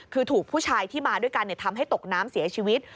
คือถูกผู้ชายที่มาด้วยกันทำให้ตกน้ำเสียชีวิต